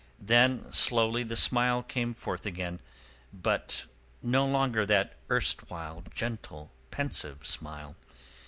Then slowly the smile came forth again, but no longer that erstwhile gentle pensive smile.